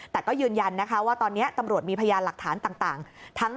แต่ก็ยืนยันนะคะว่าตอนนี้ตำรวจมีพยานหลักฐานต่าง